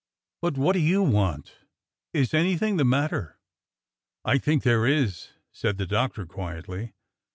But what do you want? Is anything the matter? " "I think there is," said the Doctor quietly.